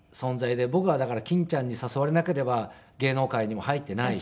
僕はだから欽ちゃんに誘われなければ芸能界にも入っていないし。